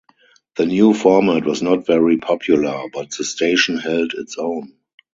The new format was not very popular, but the station held its own.